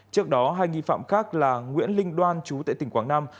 trước đó hai nghi phạm khác là nguyễn linh đoan chú tại tỉnh quảng nam